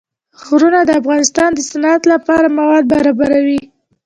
غرونه د افغانستان د صنعت لپاره مواد برابروي.